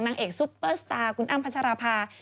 นางเอกซุปเปอร์สตาร์คุณอ้ำพัชราภา